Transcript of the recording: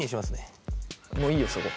もういいよそれ。